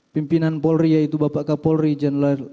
pimpinan polri yaitu bapak ketengahan dan pernah ketengahan dan yang lainnya